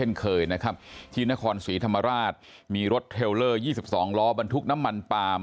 เช่นเคยนะครับที่นครศรีธรรมราชมีรถเทลเลอร์๒๒ล้อบรรทุกน้ำมันปาล์ม